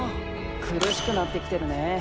苦しくなってきてるね。